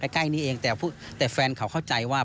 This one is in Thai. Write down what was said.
ใกล้นี้เองแต่แฟนเขาเข้าใจว่า